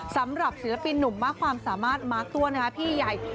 สำหรับศิลปินหนุ่มมากความสามารถมาร์คตัวนะคะพี่ใหญ่